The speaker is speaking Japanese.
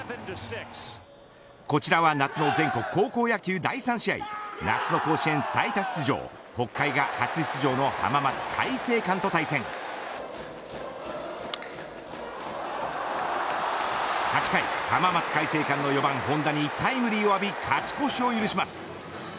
こちらは夏の全国高校野球第３試合夏の甲子園最多出場、北海が８回、浜松開誠館の４番ホンダにタイムリーを浴び勝ち越しを許します。